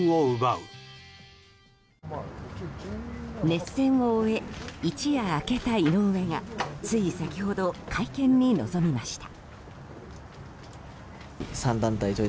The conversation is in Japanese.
熱戦を終え、一夜明けた井上がつい先ほど、会見に臨みました。